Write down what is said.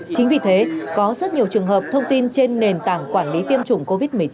chính vì thế có rất nhiều trường hợp thông tin trên nền tảng quản lý tiêm chủng covid một mươi chín